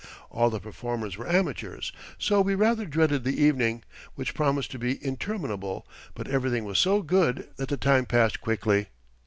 All the performers were amateurs, so we rather dreaded the evening, which promised to be interminable, but everything was so good that the time passed quickly.